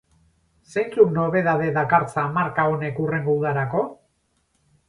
Zeintzuk nobedade dakartza marka honek hurrengo udarako?